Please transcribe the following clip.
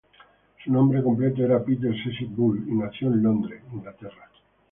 Su nombre completo era Peter Cecil Bull, y nació en Londres, Inglaterra.